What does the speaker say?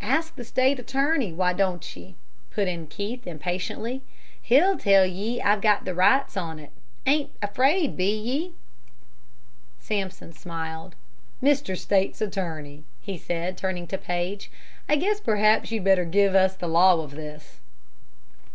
"Ask the state's attorney, why don't ye?" put in Keith, impatiently. "He'll tell ye I've got the rights on 't. Ain't afraid, be ye?" Sampson smiled. "Mr. State's Attorney," he said, turning to Paige, "I guess perhaps you'd better give us the law of this."